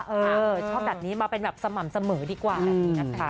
เออชอบแบบนี้มาเป็นแบบสม่ำเสมอดีกว่าแบบนี้นะคะ